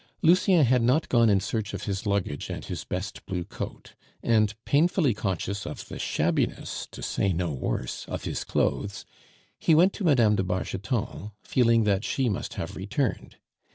Lucien had not gone in search of his luggage and his best blue coat; and painfully conscious of the shabbiness, to say no worse, of his clothes, he went to Mme. de Bargeton, feeling that she must have returned.